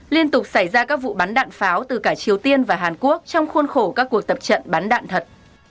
liên tục xảy ra các vụ bắn đạn pháo từ cả triều tiên và hàn quốc trong khuôn khổ các cuộc tập trận bắn đạn thật